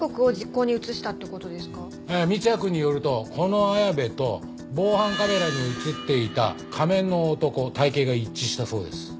三ツ矢くんによるとこの綾部と防犯カメラに映っていた仮面の男体形が一致したそうです。